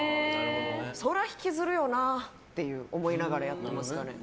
そら引きずるよなって思いながらやってますかね。